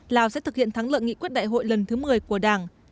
lào sẽ thực hiện thắng lợi nghị quyết đại hội lần thứ một mươi của đảng